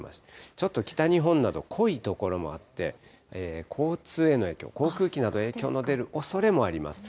ちょっと北日本など、濃い所もあって、交通への影響、航空機など、影響の出るおそれもあります。